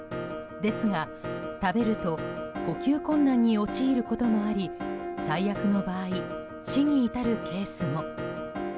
ですが、食べると呼吸困難に陥ることもあり最悪の場合、死に至るケースも。